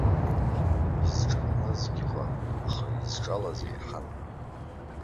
Изҿамлазгьы ыҟан, аха изҿалаз еиҳан.